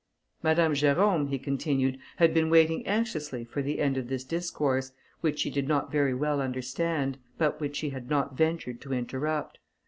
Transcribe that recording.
Madame Jerôme, he continued, had been waiting anxiously for the end of this discourse, which she did not very well understand, but which she had not ventured to interrupt.